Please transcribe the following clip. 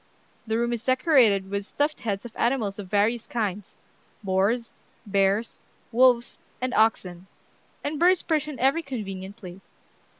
The room is decorated with stuffed heads of animals of various kinds, boars, bears, wolves, and oxen; and birds perch in every convenient place."